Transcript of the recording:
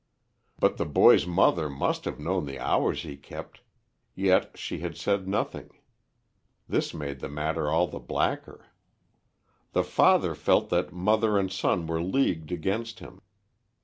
But the boy's mother must have known the hours he kept, yet she had said nothing; this made the matter all the blacker. The father felt that mother and son were leagued against him.